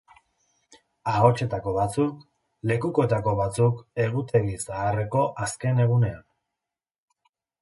Ahotsetako batzuk, lekukoetako batzuk egutegi zaharreko azken egunean.